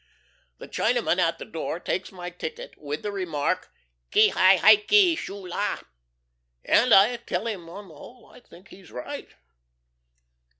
The Chinaman at the door takes my ticket with the remark, "Ki hi hi ki! Shoolah!" And I tell him that on the whole I think he is right.